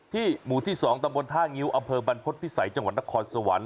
หมู่ที่๒ตำบลท่างิ้วอำเภอบรรพฤษภิษัยจังหวัดนครสวรรค์